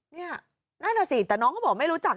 เนี่ยนั่นแหละสิแต่น้องก็บอกไม่รู้จัก